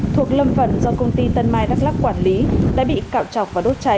thuộc lâm phần do công ty tân mai đắk lắc quản lý đã bị cạo chọc và đốt cháy